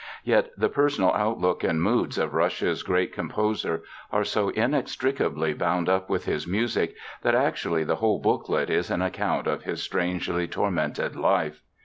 Yet, the personal outlook and moods of Russia's great composer are so inextricably bound up with his music, that actually the whole booklet is an account of his strangely tormented life.